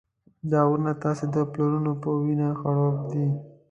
دا غرونه ستاسې د پلرونو په وینه خړوب دي.